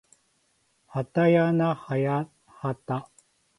はたやなはやはた